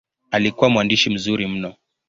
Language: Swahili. Alikuwa mwandishi mzuri mno.